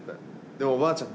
でもおばあちゃん